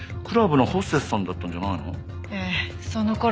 クラブのホステスさんだったんじゃないの？